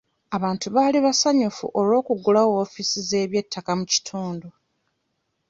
Abantu baali basanyufu olw'okuggulawo woofiisi z'ebyettaka mu kitundu.